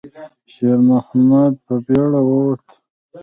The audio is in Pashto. شېرمحمد په بیړه ووت.